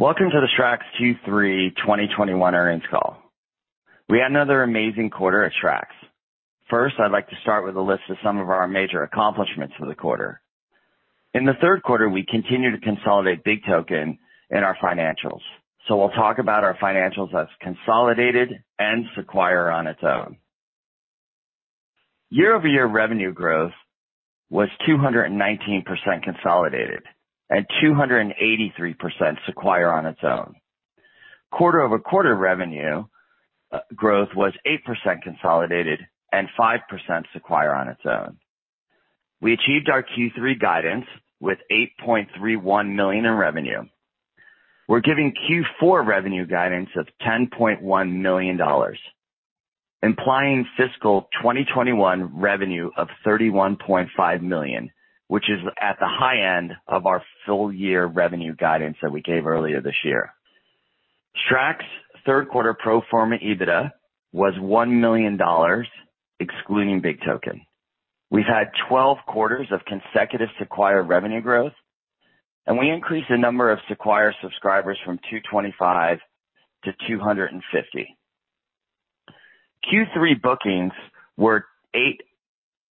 Welcome to the SRAX Q3 2021 Earnings Call. We had another amazing quarter at SRAX. First, I'd like to start with a list of some of our major accomplishments for the quarter. In the third quarter, we continued to consolidate BIGtoken in our financials, so we'll talk about our financials as consolidated and Sequire on its own. Year-over-year revenue growth was 219% consolidated and 283% Sequire on its own. Quarter-over-quarter revenue growth was 8% consolidated and 5% Sequire on its own. We achieved our Q3 guidance with $8.31 million in revenue. We're giving Q4 revenue guidance of $10.1 million, implying fiscal 2021 revenue of $31.5 million, which is at the high end of our full year revenue guidance that we gave earlier this year. SRAX third quarter pro forma EBITDA was $1 million, excluding BIGtoken. We've had 12 quarters of consecutive Sequire revenue growth, and we increased the number of Sequire subscribers from 225 to 250. Q3 bookings were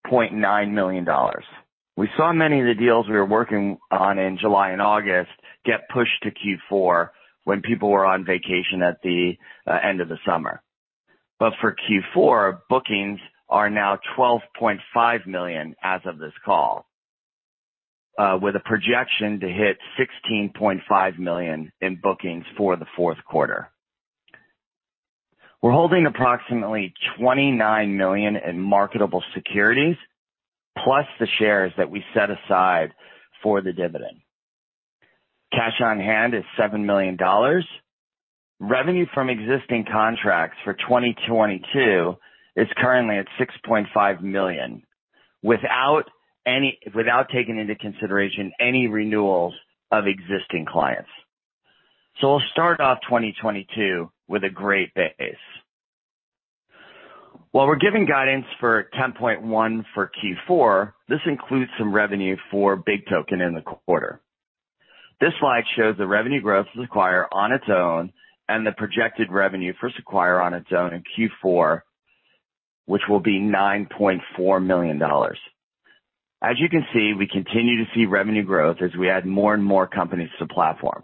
$8.9 million. We saw many of the deals we were working on in July and August get pushed to Q4 when people were on vacation at the end of the summer. For Q4, bookings are now $12.5 million as of this call, with a projection to hit $16.5 million in bookings for the fourth quarter. We're holding approximately $29 million in marketable securities, plus the shares that we set aside for the dividend. Cash on hand is $7 million. Revenue from existing contracts for 2022 is currently at $6.5 million without taking into consideration any renewals of existing clients. We'll start off 2022 with a great base. While we're giving guidance for $10.1 million for Q4, this includes some revenue for BIGtoken in the quarter. This slide shows the revenue growth of Sequire on its own and the projected revenue for Sequire on its own in Q4, which will be $9.4 million. As you can see, we continue to see revenue growth as we add more and more companies to the platform.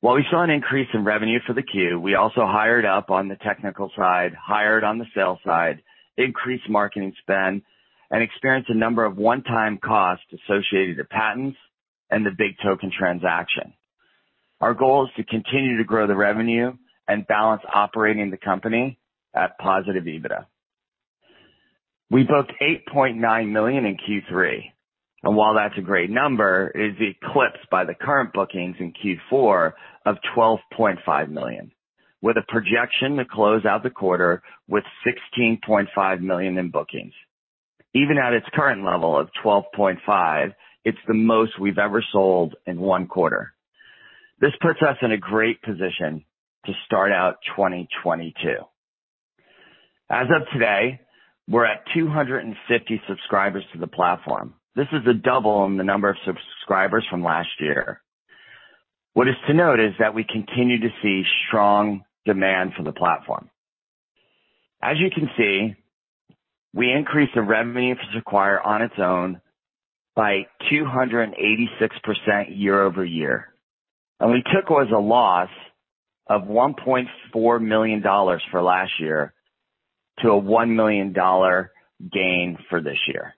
While we saw an increase in revenue for the quarter, we also hired up on the technical side, hired on the sales side, increased marketing spend, and experienced a number of one-time costs associated to patents and the BIGtoken transaction. Our goal is to continue to grow the revenue and balance operating the company at positive EBITDA. We booked $8.9 million in Q3, and while that's a great number, it is eclipsed by the current bookings in Q4 of $12.5 million, with a projection to close out the quarter with $16.5 million in bookings. Even at its current level of $12.5 million, it's the most we've ever sold in one quarter. This puts us in a great position to start out 2022. As of today, we're at 250 subscribers to the platform. This is a double in the number of subscribers from last year. What is to note is that we continue to see strong demand for the platform. As you can see, we increased the revenue for Sequire on its own by 286% year-over-year. We took what was a loss of $1.4 million for last year to a $1 million gain for this year.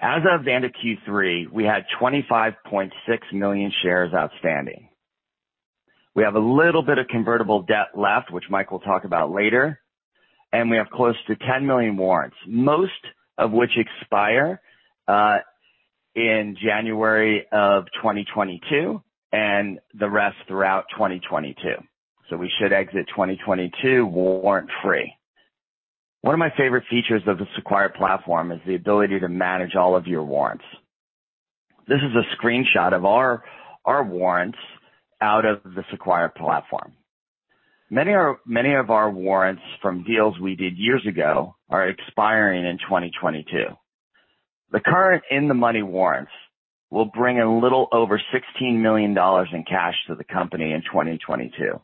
As of the end of Q3, we had 25.6 million shares outstanding. We have a little bit of convertible debt left, which Mike will talk about later. We have close to 10 million warrants, most of which expire in January of 2022, and the rest throughout 2022. We should exit 2022 warrant-free. One of my favorite features of the Sequire platform is the ability to manage all of your warrants. This is a screenshot of our warrants out of the Sequire platform. Many of our warrants from deals we did years ago are expiring in 2022. The current in-the-money warrants will bring a little over $16 million in cash to the company in 2022.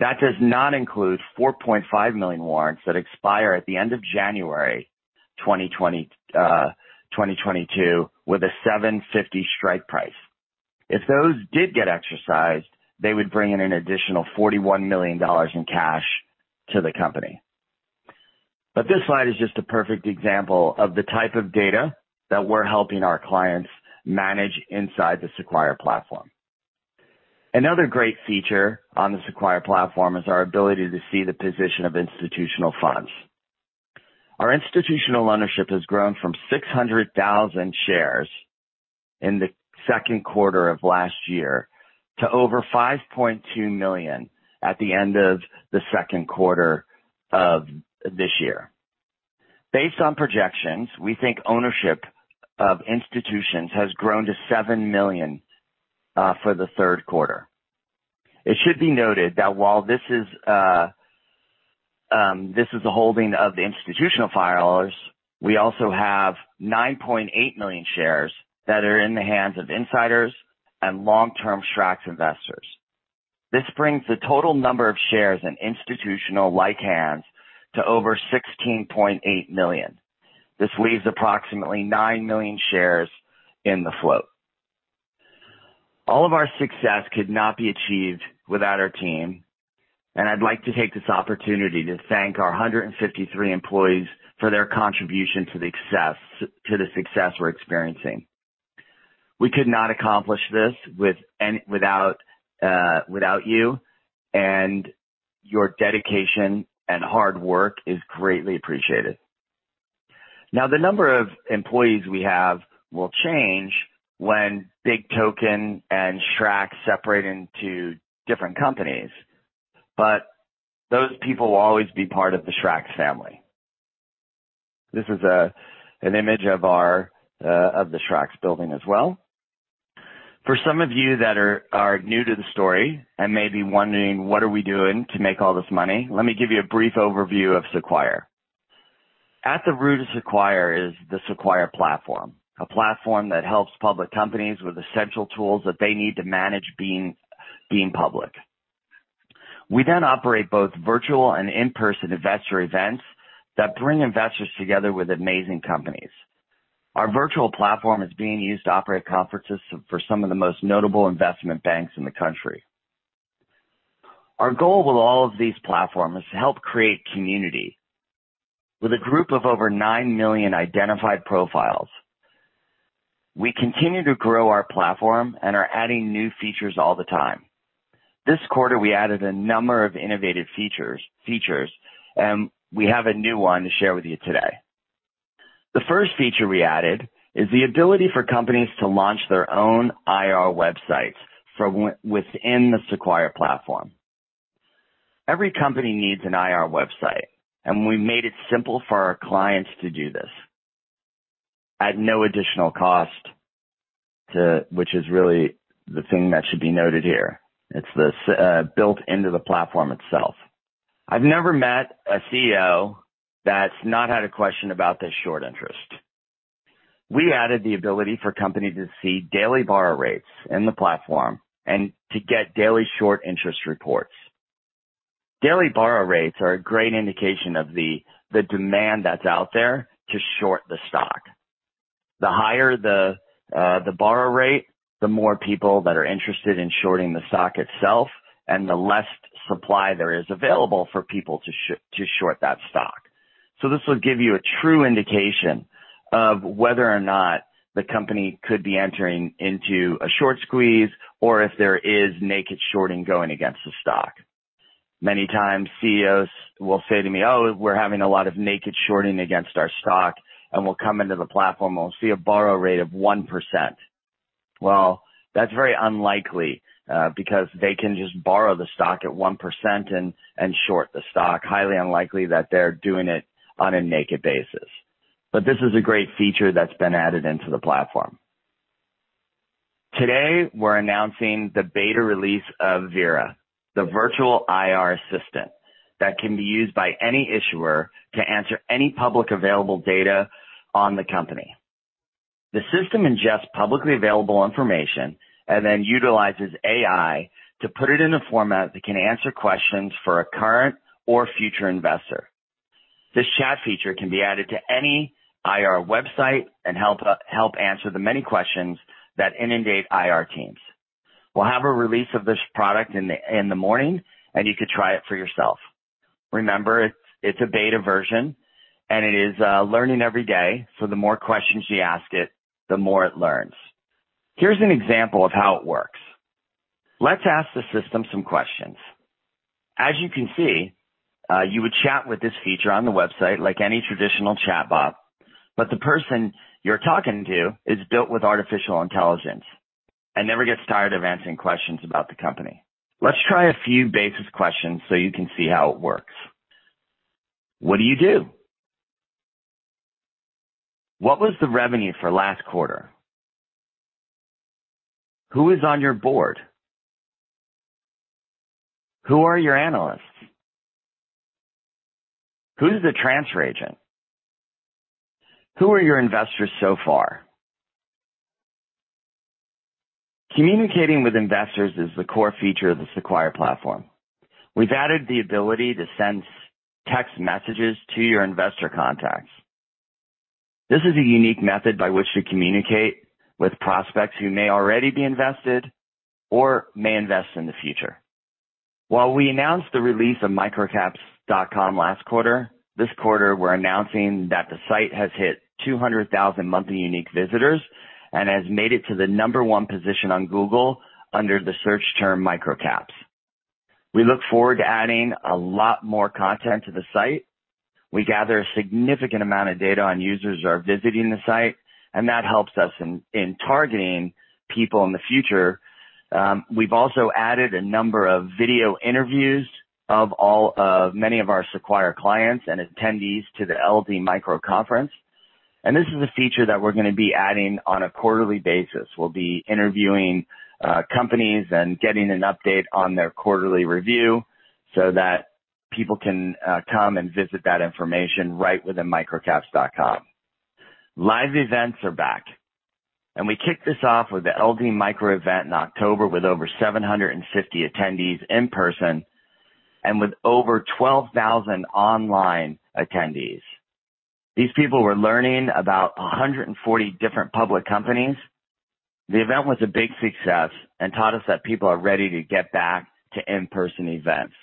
That does not include 4.5 million warrants that expire at the end of January 2022 with a $7.50 strike price. If those did get exercised, they would bring in an additional $41 million in cash to the company. This slide is just a perfect example of the type of data that we're helping our clients manage inside the Sequire platform. Another great feature on the Sequire platform is our ability to see the position of institutional funds. Our institutional ownership has grown from 600,000 shares in the second quarter of last year to over 5.2 million at the end of the second quarter of this year. Based on projections, we think ownership of institutions has grown to 7 million for the third quarter. It should be noted that while this is the holding of the institutional filers. We also have 9.8 million shares that are in the hands of insiders and long-term SRAX investors. This brings the total number of shares in institutional-like hands to over 16.8 million. This leaves approximately 9 million shares in the float. All of our success could not be achieved without our team, and I'd like to take this opportunity to thank our 153 employees for their contribution to the success we're experiencing. We could not accomplish this without you. Your dedication and hard work is greatly appreciated. Now, the number of employees we have will change when BIGtoken and SRAX separate into different companies, but those people will always be part of the SRAX family. This is an image of our SRAX building as well. For some of you that are new to the story and may be wondering what are we doing to make all this money, let me give you a brief overview of Sequire. At the root of Sequire is the Sequire platform, a platform that helps public companies with essential tools that they need to manage being public. We then operate both virtual and in-person investor events that bring investors together with amazing companies. Our virtual platform is being used to operate conferences for some of the most notable investment banks in the country. Our goal with all of these platforms is to help create community. With a group of over 9 million identified profiles, we continue to grow our platform and are adding new features all the time. This quarter, we added a number of innovative features, and we have a new one to share with you today. The first feature we added is the ability for companies to launch their own IR websites from within the Sequire platform. Every company needs an IR website, and we made it simple for our clients to do this at no additional cost, which is really the thing that should be noted here. It's built into the platform itself. I've never met a CEO that's not had a question about the short interest. We added the ability for companies to see daily borrow rates in the platform and to get daily short interest reports. Daily borrow rates are a great indication of the demand that's out there to short the stock. The higher the borrow rate, the more people that are interested in shorting the stock itself, and the less supply there is available for people to short that stock. This will give you a true indication of whether or not the company could be entering into a short squeeze or if there is naked shorting going against the stock. Many times CEOs will say to me, "Oh, we're having a lot of naked shorting against our stock." We'll come into the platform, and we'll see a borrow rate of 1%. Well, that's very unlikely, because they can just borrow the stock at 1% and short the stock. Highly unlikely that they're doing it on a naked basis. This is a great feature that's been added into the platform. Today, we're announcing the beta release of VIRA, the Virtual IR Assistant that can be used by any issuer to answer any publicly available data on the company. The system ingests publicly available information and then utilizes AI to put it in a format that can answer questions for a current or future investor. This chat feature can be added to any IR website and help answer the many questions that inundate IR teams. We'll have a release of this product in the morning, and you could try it for yourself. Remember, it's a beta version, and it is learning every day, so the more questions you ask it, the more it learns. Here's an example of how it works. Let's ask the system some questions. As you can see, you would chat with this feature on the website like any traditional chatbot, but the person you're talking to is built with artificial intelligence and never gets tired of answering questions about the company. Let's try a few basic questions so you can see how it works. What do you do? What was the revenue for last quarter? Who is on your board? Who are your analysts? Who's the transfer agent? Who are your investors so far? Communicating with investors is the core feature of the Sequire platform. We've added the ability to send text messages to your investor contacts. This is a unique method by which to communicate with prospects who may already be invested or may invest in the future. While we announced the release of microcaps.com last quarter, this quarter we're announcing that the site has hit 200,000 monthly unique visitors and has made it to the No one position on Google under the search term microcaps. We look forward to adding a lot more content to the site. We gather a significant amount of data on users who are visiting the site, and that helps us in targeting people in the future. We've also added a number of video interviews of many of our Sequire clients and attendees to the LD Micro Conference. This is a feature that we're gonna be adding on a quarterly basis. We'll be interviewing companies and getting an update on their quarterly review so that people can come and visit that information right within microcaps.com. Live events are back. We kicked this off with the LD Micro event in October, with over 750 attendees in person and with over 12,000 online attendees. These people were learning about 140 different public companies. The event was a big success and taught us that people are ready to get back to in-person events.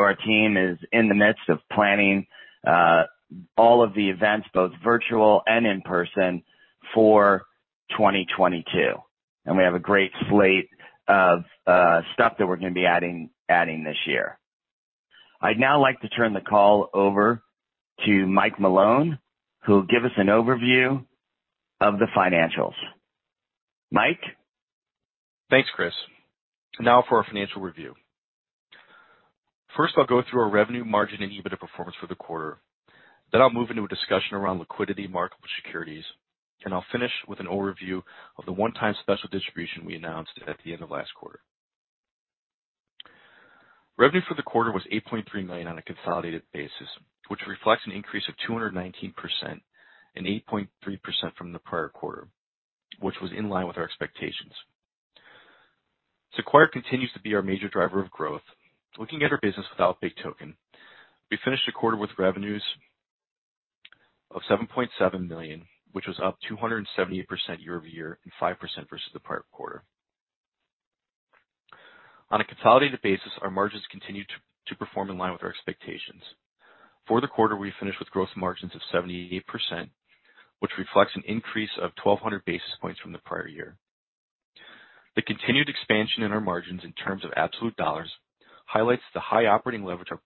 Our team is in the midst of planning all of the events, both virtual and in person, for 2022. We have a great slate of stuff that we're gonna be adding this year. I'd now like to turn the call over to Mike Malone, who'll give us an overview of the financials. Mike? Thanks, Chris. Now for our financial review. First, I'll go through our revenue margin and EBITDA performance for the quarter. Then I'll move into a discussion around liquidity marketable securities. I'll finish with an overview of the one-time special distribution we announced at the end of last quarter. Revenue for the quarter was $8.3 million on a consolidated basis, which reflects an increase of 219% and 8.3% from the prior quarter, which was in line with our expectations. Sequire continues to be our major driver of growth. Looking at our business without BIGtoken, we finished the quarter with revenues of $7.7 million, which was up 278% year-over-year and 5% versus the prior quarter. On a consolidated basis, our margins continued to perform in line with our expectations. For the quarter, we finished with growth margins of 78%, which reflects an increase of 1,200 basis points from the prior year. The continued expansion in our margins in terms of absolute dollars highlights the high operating leverage of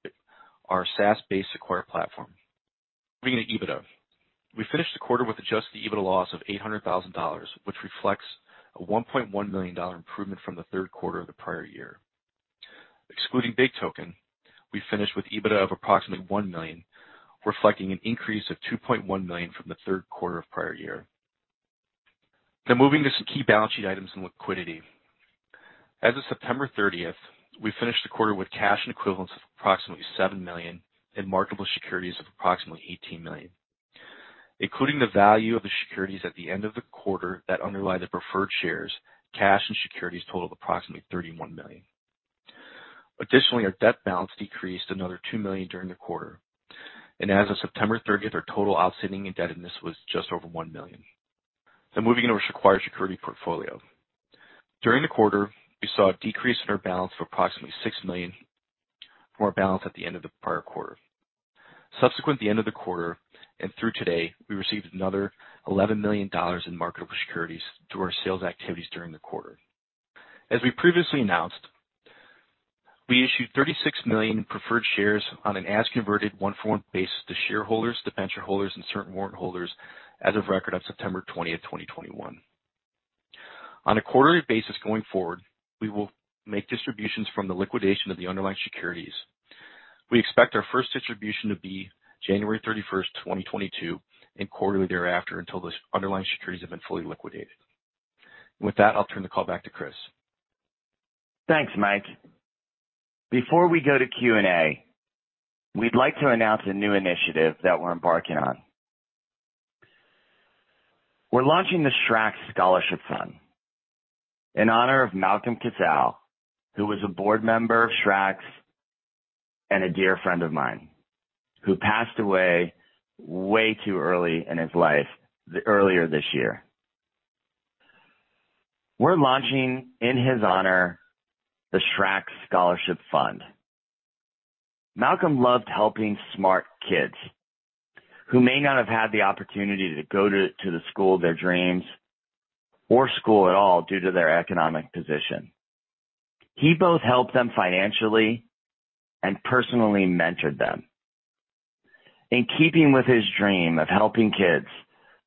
our SaaS-based Sequire platform. Moving to EBITDA. We finished the quarter with adjusted EBITDA loss of $800,000, which reflects a $1.1 million improvement from the third quarter of the prior year. Excluding BIGtoken, we finished with EBITDA of approximately $1 million, reflecting an increase of $2.1 million from the third quarter of prior year. Now moving to some key balance sheet items and liquidity. As of September 30th, we finished the quarter with cash and equivalents of approximately $7 million and marketable securities of approximately $18 million. Including the value of the securities at the end of the quarter that underlie the preferred shares, cash and securities totaled approximately $31 million. Additionally, our debt balance decreased another $2 million during the quarter. As of September 30th, our total outstanding indebtedness was just over $1 million. Moving into our Sequire securities portfolio. During the quarter, we saw a decrease in our balance of approximately $6 million from our balance at the end of the prior quarter. Subsequent to the end of the quarter and through today, we received another $11 million in marketable securities through our sales activities during the quarter. As we previously announced, we issued 36 million preferred shares on an as-converted one-for-one basis to shareholders, debenture holders, and certain warrant holders as of record on September 20th, 2021. On a quarterly basis going forward, we will make distributions from the liquidation of the underlying securities. We expect our first distribution to be 31st January, 2022, and quarterly thereafter until the underlying securities have been fully liquidated. With that, I'll turn the call back to Chris. Thanks, Mike. Before we go to Q&A, we'd like to announce a new initiative that we're embarking on. We're launching the SRAX Scholarship Fund in honor of Malcolm CasSelle, who was a board member of SRAX and a dear friend of mine, who passed away way too early in his life earlier this year. We're launching in his honor the SRAX Scholarship Fund. Malcolm loved helping smart kids who may not have had the opportunity to go to the school of their dreams or school at all due to their economic position. He both helped them financially and personally mentored them. In keeping with his dream of helping kids,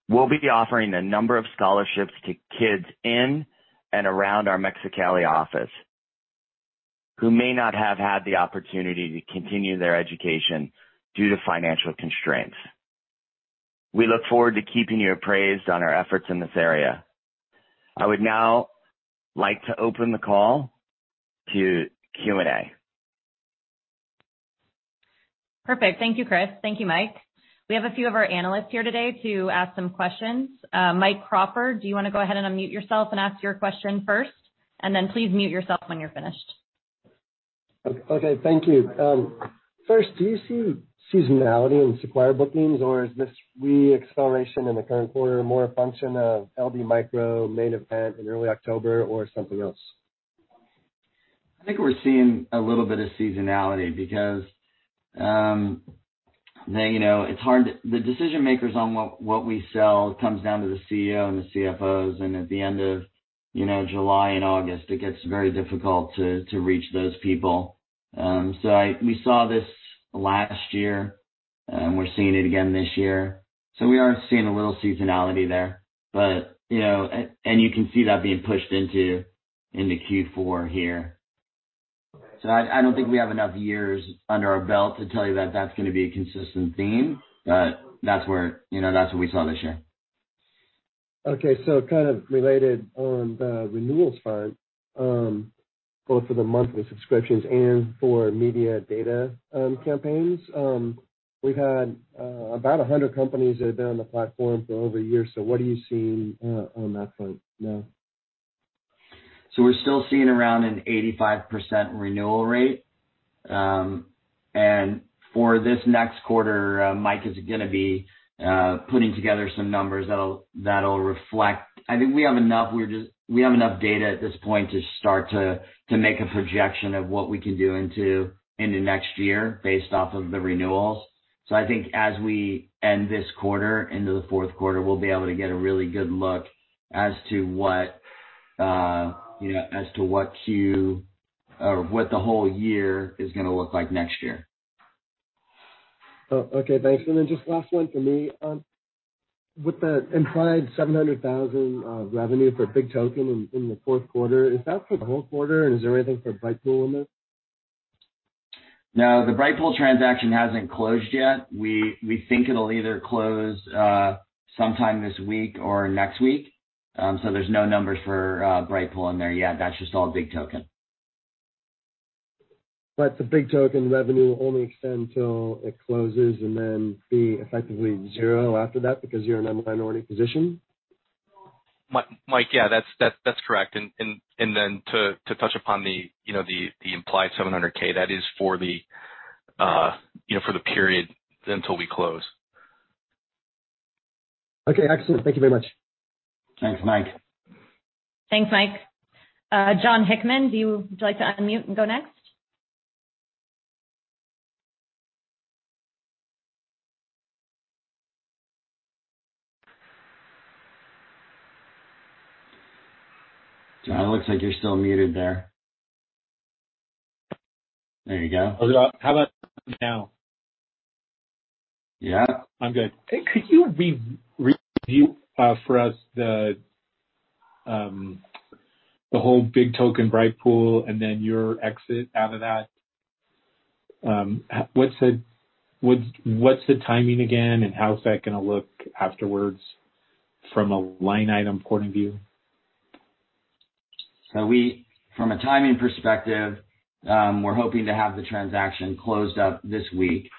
we'll be offering a number of scholarships to kids in and around our Mexicali office who may not have had the opportunity to continue their education due to financial constraints. We look forward to keeping you apprised on our efforts in this area. I would now like to open the call to Q&A. Perfect. Thank you, Chris. Thank you, Mike. We have a few of our analysts here today to ask some questions. Mike Crawford, do you wanna go ahead and unmute yourself and ask your question first? Please mute yourself when you're finished. Okay. Thank you. First, do you see seasonality in Sequire bookings, or is this re-acceleration in the current quarter more a function of LD Micro Main Event in early October or something else? I think we're seeing a little bit of seasonality because, you know, it's hard. The decision-makers on what we sell comes down to the CEO and the CFOs, and at the end of July and August, it gets very difficult to reach those people. We saw this last year, and we're seeing it again this year. We are seeing a little seasonality there. You know, and you can see that being pushed into Q4 here. I don't think we have enough years under our belt to tell you that that's gonna be a consistent theme. That's where, you know, that's what we saw this year. Okay. Kind of related on the renewals front, both for the monthly subscriptions and for media data campaigns. We've had about 100 companies that have been on the platform for over a year. What are you seeing on that front now? We're still seeing around an 85% renewal rate. For this next quarter, Mike is gonna be putting together some numbers that'll reflect I think we have enough. We have enough data at this point to start to make a projection of what we can do into next year based off of the renewals. I think as we end this quarter into the fourth quarter, we'll be able to get a really good look as to what Quarter or what the whole year is gonna look like next year. Oh, okay. Thanks. Just last one for me. With the implied $700,000 revenue for BIGtoken in the fourth quarter, is that for the whole quarter, and is there anything for BritePool in there? No, the BritePool transaction hasn't closed yet. We think it'll either close sometime this week or next week. So there's no numbers for BritePool in there yet. That's just all BIGtoken. The BIGtoken revenue will only extend till it closes and then be effectively zero after that because you're in a minority position. Mike, yeah, that's correct. Then to touch upon the, you know, the implied $700K, that is for the, you know, for the period until we close. Okay, excellent. Thank you very much. Thanks, Mike. Thanks, Mike. Jon Hickman, would you like to unmute and go next? Jon, it looks like you're still muted there. There you go. How about now? Yeah. I'm good. Hey, could you re-review for us the whole BIGtoken BritePool and then your exit out of that? What's the timing again, and how's that gonna look afterwards from a line item point of view? From a timing perspective, we're hoping to have the transaction closed up this week.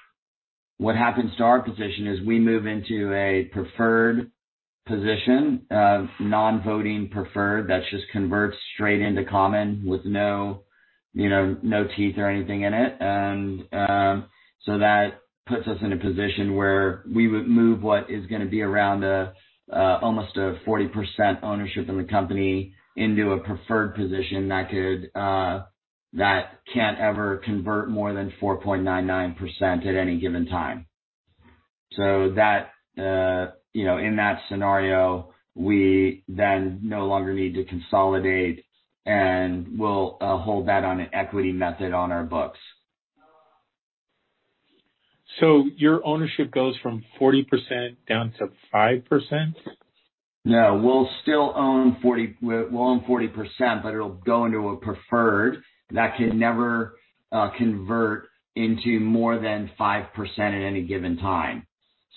What happens to our position is we move into a preferred position of non-voting preferred that just converts straight into common with no teeth or anything in it. That puts us in a position where we would move what is gonna be around almost a 40% ownership in the company into a preferred position that can't ever convert more than 4.99% at any given time. In that scenario, we then no longer need to consolidate, and we'll hold that on an equity method on our books. Your ownership goes from 40% down to 5%? No, we'll still own 40%. It'll go into a preferred that can never convert into more than 5% at any given time.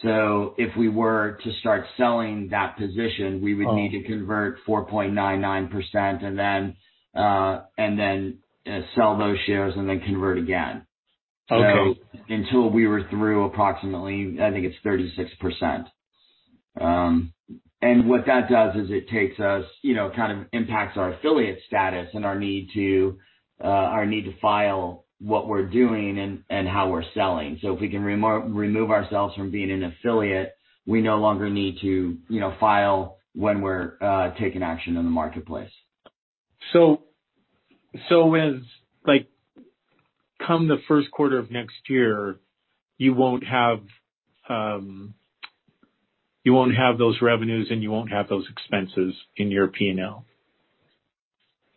If we were to start selling that position. Oh. We would need to convert 4.99% and then sell those shares and then convert again. Okay. Until we were through approximately, I think it's 36%. And what that does is it takes us, you know, kind of impacts our affiliate status and our need to file what we're doing and how we're selling. If we can remove ourselves from being an affiliate, we no longer need to, you know, file when we're taking action in the marketplace. With like, come the first quarter of next year, you won't have those revenues, and you won't have those expenses in your P&L?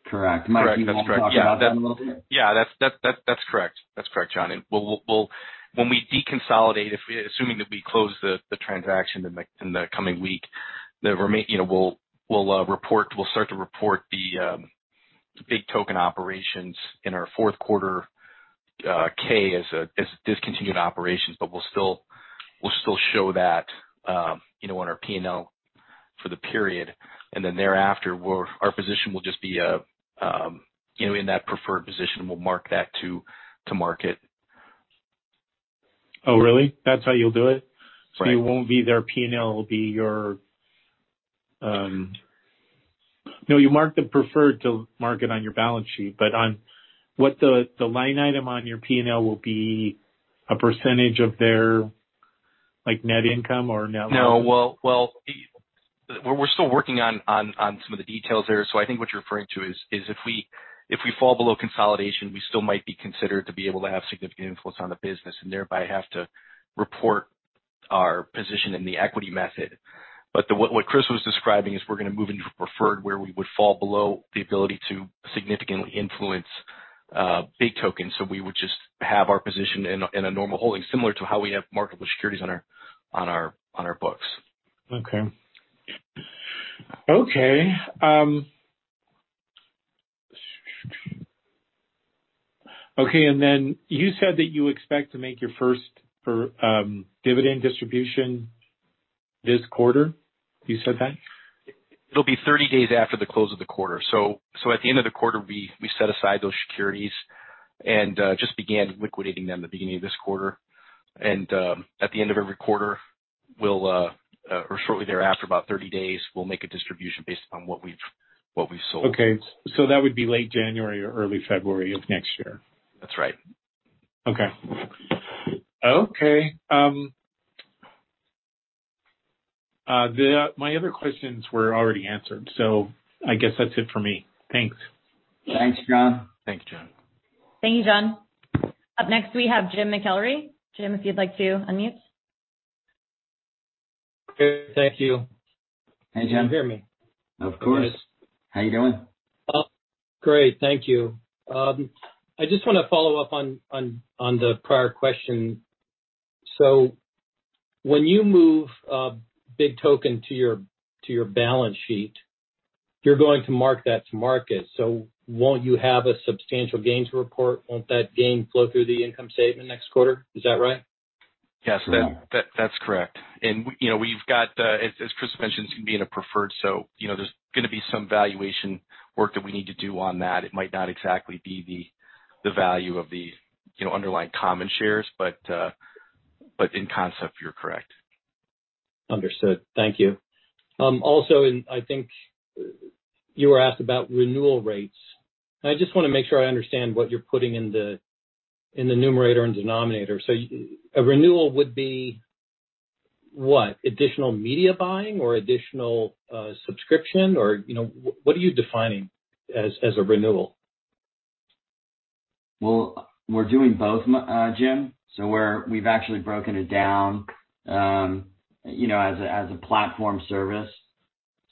Correct. Mike, do you want to talk about that a little bit? Yeah. That's correct. That's correct, Jon. We'll when we deconsolidate, assuming that we close the transaction in the coming week, then you know, we'll start to report the BIGtoken operations in our fourth quarter K as discontinued operations, but we'll still show that, you know, on our P&L for the period. Then thereafter, our position will just be, you know, in that preferred position, we'll mark that to market. Oh, really? That's how you'll do it? Right. You won't be their P&L, it'll be your. No, you mark the preferred to market on your balance sheet. What the line item on your P&L will be a percentage of their, like, net income or net losses? No. Well, we're still working on some of the details there. I think what you're referring to is if we fall below consolidation, we still might be considered to be able to have significant influence on the business and thereby have to report our position in the equity method. What Chris was describing is we're gonna move into preferred, where we would fall below the ability to significantly influence BIGtoken. We would just have our position in a normal holding, similar to how we have marketable securities on our books. Okay. Then you said that you expect to make your first dividend distribution this quarter. You said that? It'll be 30 days after the close of the quarter. At the end of the quarter, we set aside those securities and just began liquidating them at the beginning of this quarter. At the end of every quarter, or shortly thereafter, about 30 days, we'll make a distribution based upon what we've sold. Okay. That would be late January or early February of next year. That's right. Okay. My other questions were already answered. I guess that's it for me. Thanks. Thanks, Jon. Thank you, Jon. Thank you, Jon. Up next, we have Jim McIlree. Jim, if you'd like to unmute. Thank you. Hey, Jim. Can you hear me? Of course. How you doing? Great. Thank you. I just want to follow up on the prior question. When you move BIGtoken to your balance sheet, you're going to mark that to market. Won't you have a substantial gain to report? Won't that gain flow through the income statement next quarter? Is that right? Yes. That's correct. You know, we've got, as Chris mentioned, it's gonna be in a preferred. You know, there's gonna be some valuation work that we need to do on that. It might not exactly be the value of the underlying common shares, but in concept, you're correct. Understood. Thank you. Also, I think you were asked about renewal rates. I just wanna make sure I understand what you're putting in the numerator and denominator. So a renewal would be what? Additional media buying or additional subscription or what are you defining as a renewal? Well, we're doing both, Jim. We've actually broken it down, you know, as a platform service.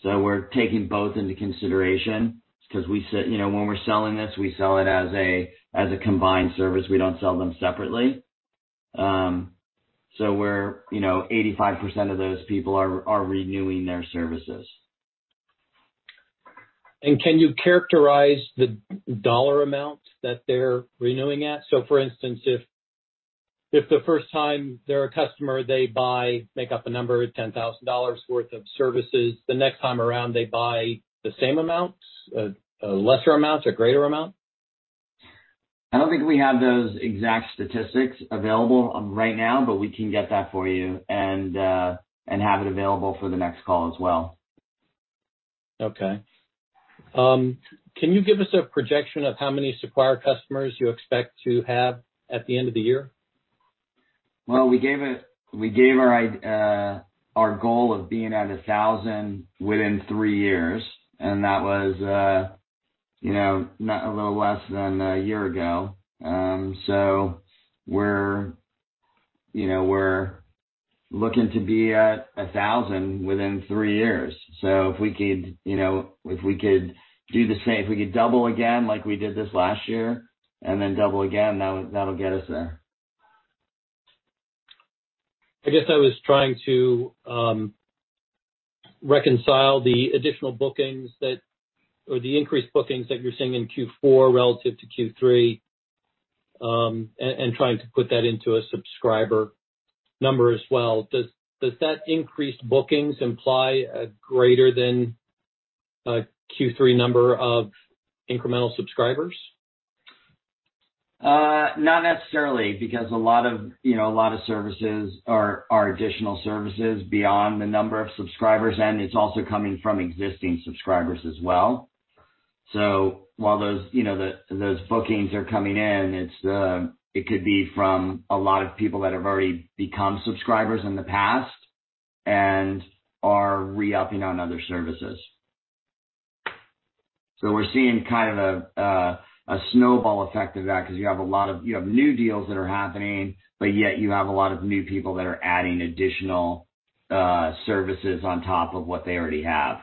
We're taking both into consideration 'cause we, you know, when we're selling this, we sell it as a combined service. We don't sell them separately. We're, you know, 85% of those people are renewing their services. Can you characterize the dollar amount that they're renewing at? For instance, if the first time they're a customer, they buy, make up a number, $10,000 worth of services, the next time around, they buy the same amount, a lesser amount or greater amount? I don't think we have those exact statistics available, right now, but we can get that for you and have it available for the next call as well. Okay. Can you give us a projection of how many Sequire customers you expect to have at the end of the year? Well, we gave our goal of being at 1,000 within three years, and that was a little less than a year ago. We're looking to be at 1,000 within three years. If we could do the same, if we could double again like we did this last year and then double again, that'll get us there. I guess I was trying to reconcile the increased bookings that you're seeing in Q4 relative to Q3, and trying to put that into a subscriber number as well. Does that increased bookings imply a greater than Q3 number of incremental subscribers? Not necessarily, because a lot of, you know, services are additional services beyond the number of subscribers, and it's also coming from existing subscribers as well. While those, you know, bookings are coming in, it could be from a lot of people that have already become subscribers in the past and are re-upping on other services. We're seeing kind of a snowball effect of that because you have new deals that are happening, but yet you have a lot of new people that are adding additional services on top of what they already have.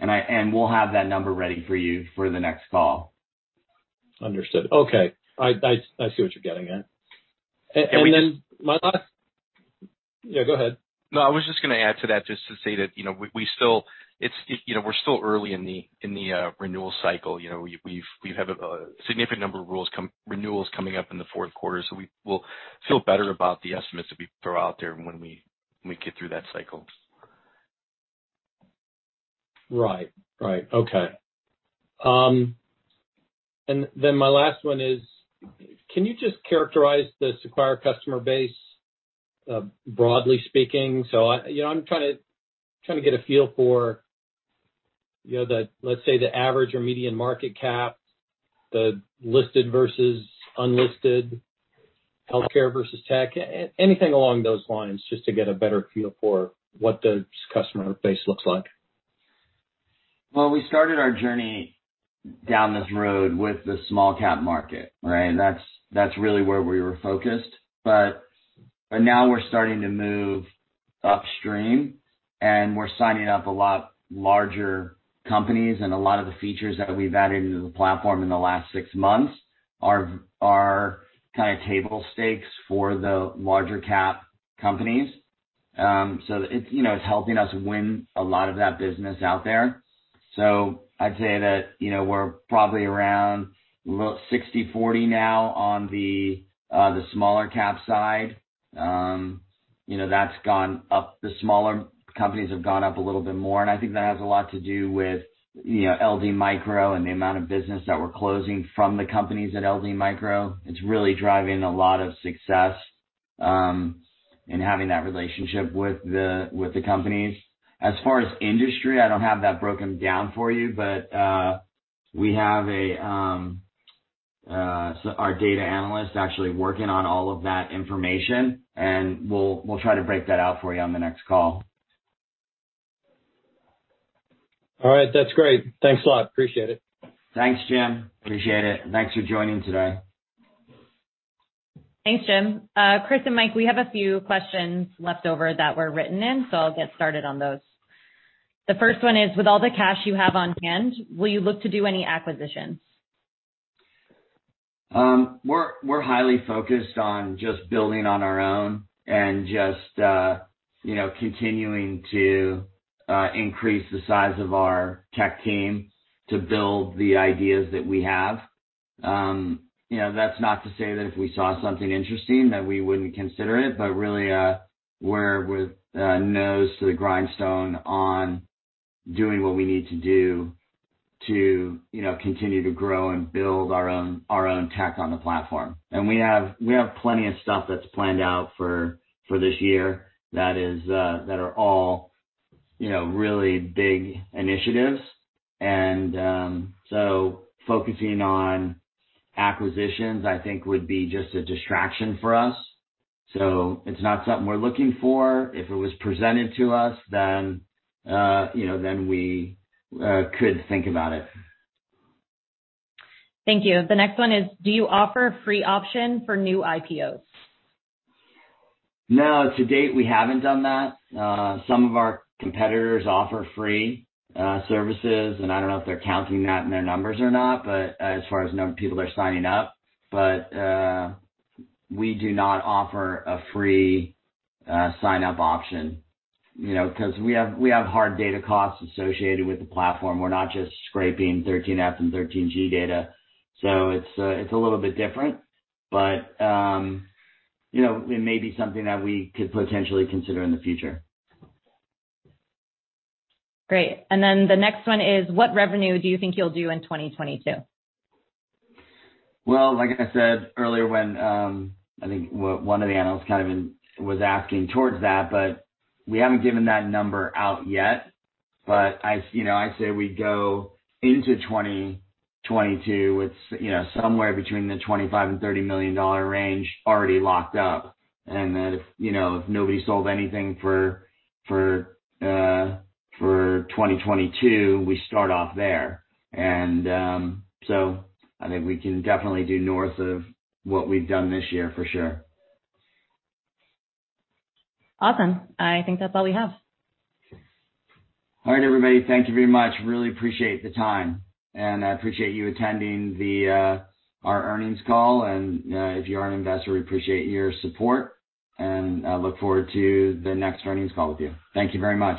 We'll have that number ready for you for the next call. Understood. Okay. I see what you're getting at. And we- Yeah, go ahead. No, I was just gonna add to that just to say that, you know, we're still early in the renewal cycle. You know, we have a significant number of renewals coming up in the fourth quarter. So we will feel better about the estimates that we throw out there when we get through that cycle. Right. Okay. My last one is, can you just characterize the Sequire customer base, broadly speaking? I, you know, I'm trying to get a feel for, you know, the, let's say, the average or median market cap, the listed versus unlisted, healthcare versus tech, anything along those lines, just to get a better feel for what the customer base looks like. Well, we started our journey down this road with the small cap market, right? That's really where we were focused. Now we're starting to move upstream, and we're signing up a lot larger companies, and a lot of the features that we've added into the platform in the last six months are kinda table stakes for the larger cap companies. You know, it's helping us win a lot of that business out there. I'd say that, you know, we're probably around about 60/40 now on the smaller cap side. You know, that's gone up. The smaller companies have gone up a little bit more, and I think that has a lot to do with, you know, LD Micro and the amount of business that we're closing from the companies at LD Micro. It's really driving a lot of success in having that relationship with the companies. As far as industry, I don't have that broken down for you, but we have our data analyst actually working on all of that information, and we'll try to break that out for you on the next call. All right. That's great. Thanks a lot. Appreciate it. Thanks, Jim. Appreciate it, and thanks for joining today. Thanks, Jim. Chris and Mike, we have a few questions left over that were written in, so I'll get started on those. The first one is, with all the cash you have on hand, will you look to do any acquisitions? We're highly focused on just building on our own and just, you know, continuing to increase the size of our tech team to build the ideas that we have. You know, that's not to say that if we saw something interesting that we wouldn't consider it, but really, we're with our nose to the grindstone on doing what we need to do to, you know, continue to grow and build our own tech on the platform. We have plenty of stuff that's planned out for this year that are all, you know, really big initiatives. Focusing on acquisitions I think would be just a distraction for us. It's not something we're looking for. If it was presented to us then, you know, we could think about it. Thank you. The next one is, do you offer free option for new IPOs? No. To date we haven't done that. Some of our competitors offer free services, and I don't know if they're counting that in their numbers or not, but as far as knowing people are signing up, we do not offer a free sign-up option, you know, 'cause we have hard data costs associated with the platform. We're not just scraping 13F and 13G data. So it's a little bit different, but you know, it may be something that we could potentially consider in the future. Great. The next one is, what revenue do you think you'll do in 2022? Well, like I said earlier when I think one of the analysts kind of was asking towards that, but we haven't given that number out yet. I, you know, I'd say we go into 2022 with you know, somewhere between the $25 million-$30 million range already locked up. That if, you know, if nobody sold anything for 2022, we start off there. I think we can definitely do north of what we've done this year, for sure. Awesome. I think that's all we have. All right, everybody. Thank you very much. Really appreciate the time, and I appreciate you attending our earnings call. If you are an investor, we appreciate your support, and I look forward to the next earnings call with you. Thank you very much.